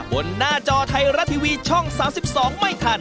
หน้าจอไทยรัฐทีวีช่อง๓๒ไม่ทัน